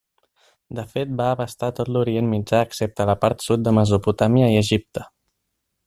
De fet va abastar tot l'Orient Mitjà excepte la part sud de Mesopotàmia i Egipte.